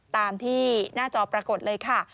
ตามที่หน้าจอปรากฏเลยค่ะ